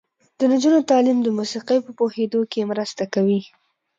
د نجونو تعلیم د موسیقۍ په پوهیدو کې مرسته کوي.